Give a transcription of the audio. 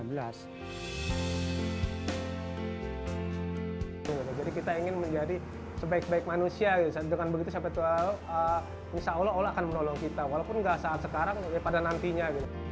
jadi kita ingin menjadi sebaik baik manusia dengan begitu sampai tujuan allah akan menolong kita walaupun tidak saat sekarang daripada nantinya